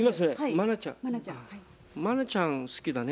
茉奈ちゃん好きだね。